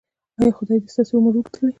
ایا خدای دې ستاسو عمر اوږد کړي؟